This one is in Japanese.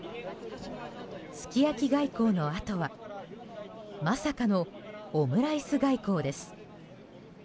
すき焼き外交のあとはまさかのオムライス外交です。